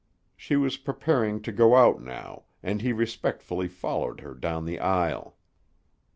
She was preparing to go out now, and he respectfully followed her down the aisle.